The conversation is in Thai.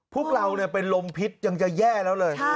พวกเราเป็นลมพิษยังจะแย่แล้วเลย